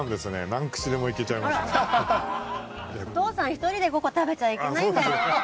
お父さん１人で５個食べちゃいけないんだよ。